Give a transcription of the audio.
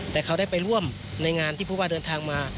แต่เขาได้ไปร่วมในงานที่ผู้ว่าเดินทางมา